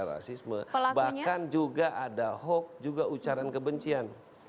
ada yang menjurus bahkan juga ada hoax juga ucaran kebencian